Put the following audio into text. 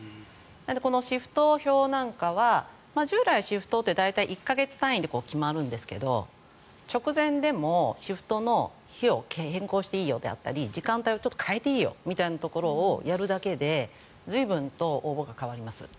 このシフト表なんかは従来、シフトって大体１か月単位で決まるんですけど直前でもシフトの日を変更していいよであったり時間帯を変えていいよみたいなところをやるだけで随分と応募が変わります。